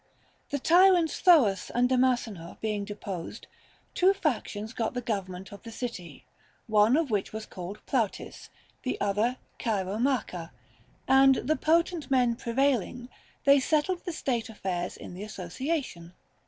The tyrants Thoas and Damasenor being deposed, two factions got the government of the city, one of which was called Ploutis, the other Cheiromacha, and the potent men prevailing, they settled the state affairs in the association.